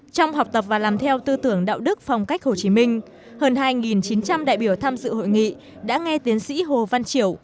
trong học tập và làm theo tư tưởng đạo đức phong cách hồ chí minh hơn hai chín trăm linh đại biểu tham dự hội nghị đã nghe tiến sĩ hồ văn triểu